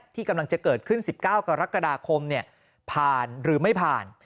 ที่กำลังจะเกิดขึ้น๑๙กรกฎาคมผ่านหรือไม่ผ่าน